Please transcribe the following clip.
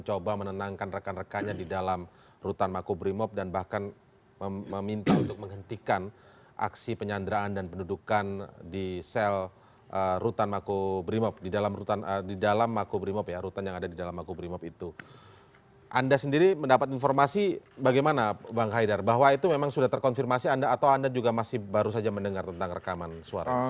oke makanya bagaimana bang haydar bahwa itu memang sudah terkonfirmasi anda atau anda juga baru saja mendengar tentang rekaman suara